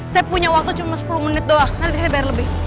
saya punya waktu cuma sepuluh menit doang nanti di sini bayar lebih